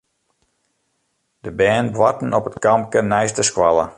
De bern boarten op it kampke neist de skoalle.